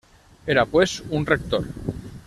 Era pues un rector.